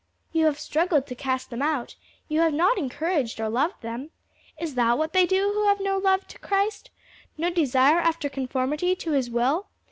"You have struggled to cast them out, you have not encouraged or loved them. Is that what they do who have no love to Christ? no desire after conformity to his will?